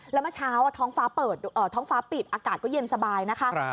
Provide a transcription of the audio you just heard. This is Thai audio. แล้วเมื่อเช้าท้องฟ้าเปิดท้องฟ้าปิดอากาศก็เย็นสบายนะคะ